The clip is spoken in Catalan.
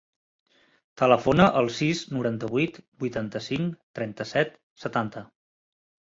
Telefona al sis, noranta-vuit, vuitanta-cinc, trenta-set, setanta.